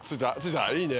いいね。